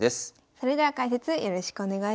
それでは解説よろしくお願いします。